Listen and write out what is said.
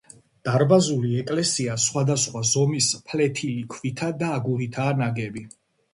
დარბაზული ეკლესია სხვადასხვა ზომის ფლეთილი ქვითა და აგურითაა ნაგები.